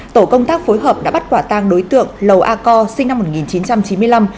tổ công tác phối hợp đã bắt quả tang đối tượng lầu a co sinh năm một nghìn chín trăm chín mươi năm